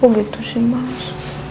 kok gitu sih mas